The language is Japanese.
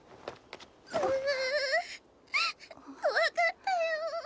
うう怖かったよ